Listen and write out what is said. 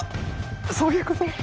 そういうこと？